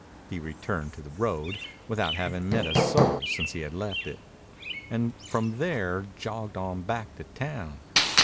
He returned to the road, without having met a soul since he had left it, and from there jogged on back to town.